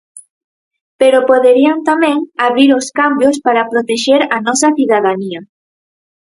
Pero poderían tamén abrir os cambios para protexer a nosa cidadanía.